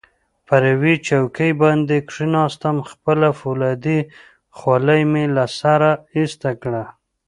پر یوې چوکۍ باندې کښېناستم، خپله فولادي خولۍ مې له سره ایسته کړه.